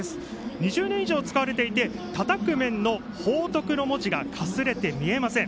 ２０年以上使われていてたたく面の「報徳」の文字がかすれて見えません。